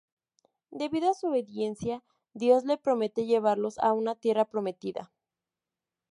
Debido a su obediencia Dios les promete llevarlos a una tierra prometida.